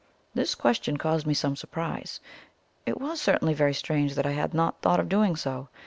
This question caused me some surprise. It was certainly very strange that I had not thought of doing so.